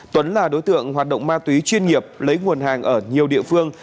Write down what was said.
tuấn là đối tượng hoạt động ma túy chuyên nghiệp lấy nguồn hàng ở nhiều địa phương